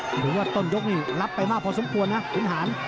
หรือว่าต้นยกนี่รับไปมากพอสมควรนะขุนหาร